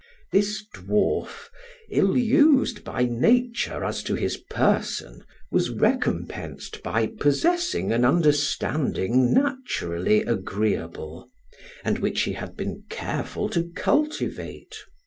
This dwarf, ill used by nature as to his person, was recompensed by possessing an understanding naturally agreeable, and which he had been careful to cultivate.